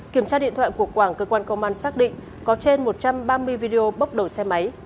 kiểm tra điện thoại của quảng cơ quan công an xác định có trên một trăm ba mươi video bốc đầu xe máy